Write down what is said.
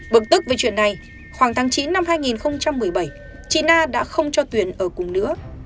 bực tức về chuyện này khoảng tháng chín năm hai nghìn một mươi bảy chị na đã không cho tuyển ở cùng nữa